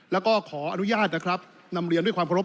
แล้วก็ขออนุญาตนะครับนำเรียนด้วยความเคารพ